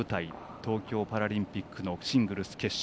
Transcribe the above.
東京パラリンピックのシングルス決勝。